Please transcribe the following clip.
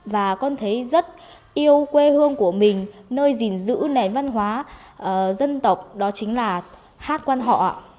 và con thấy rất yêu quê hương của mình nơi gìn giữ nét văn hóa dân tộc đó chính là hát quan họ ạ